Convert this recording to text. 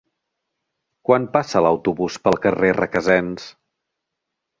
Quan passa l'autobús pel carrer Requesens?